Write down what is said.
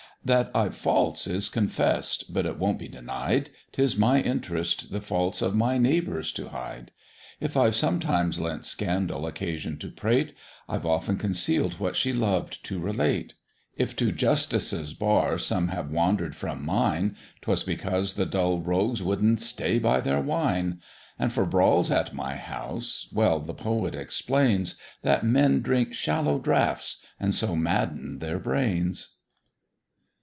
That I've faults is confess'd; but it won't be denied, 'Tis my interest the faults of my neighbours to hide; If I've sometimes lent Scandal occasion to prate, I've often conceal'd what she lov'd to relate; If to Justice's bar some have wander'd from mine, 'Twas because the dull rogues wouldn't stay by their wine; And for brawls at my house, well the poet explains, That men drink shallow draughts, and so madden their brains. INNS.